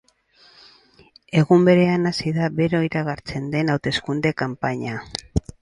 Egun berean hasi da bero iragartzen den hauteskunde kanpaina.